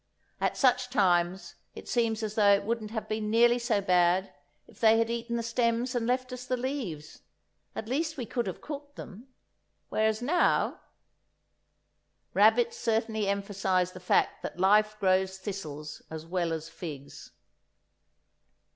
At such times it seems as though it wouldn't have been nearly so bad if they had eaten the stems and left us the leaves, at least we could have cooked them, whereas now——! Rabbits certainly emphasize the fact that life grows thistles as well as figs.